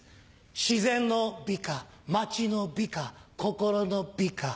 自然の美化町の美化心の美化。